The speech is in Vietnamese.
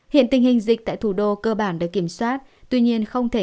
hiện tình hình dịch tại thủ đô cơ bản được kiểm soát tuy nhiên không thể